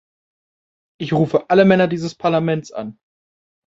Ich rufe alle Männer dieses Parlaments an.